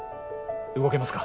動けますか？